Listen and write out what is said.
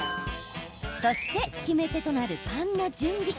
そして、決め手となるパンの準備。